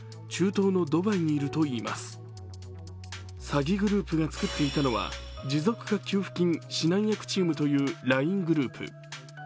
詐欺グループが作っていたのは持続化給付金指南役チームというＬＩＮＥグループ。